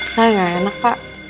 saya gak enak pak